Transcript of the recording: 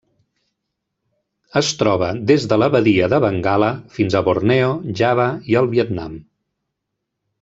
Es troba des de la Badia de Bengala fins a Borneo, Java i el Vietnam.